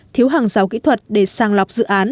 thiếu hàng rào kỹ thuật để sang lọc dự án